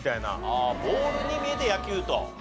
ああボールに見えて野球と。